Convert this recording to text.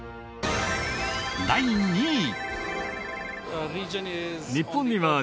第２位。